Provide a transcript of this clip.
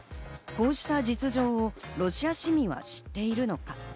こうした実情をロシア市民は知っているのか。